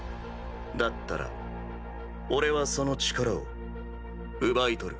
だったら俺はその力を奪い取る。